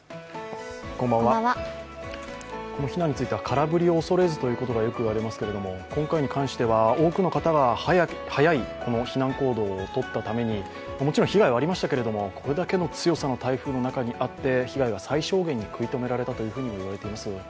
この避難については空振りを恐れずといわれますが今回に関しては、多くの方が、早い避難行動をとったためにもちろん被害はありましたけれども、これだけの強さの台風の中であって、被害は最小限に食い止められたというふうにもいわれています。